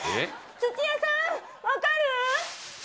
土屋さん、分かる？